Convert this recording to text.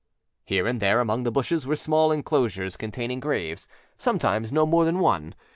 â Here and there among the bushes were small inclosures containing graves, sometimes no more than one.